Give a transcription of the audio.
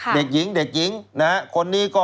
เด็กหญิงเด็กหญิงนะฮะคนนี้ก็